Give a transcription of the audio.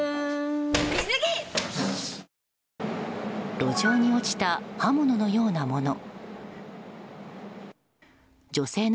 路上に落ちた刃物のようなもの。